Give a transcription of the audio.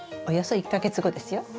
およそ１か月後ですよ。